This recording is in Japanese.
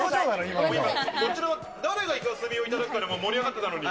こちらは誰がイカスミをいただくかで盛り上がってたのに。